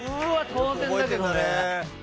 当然だけどね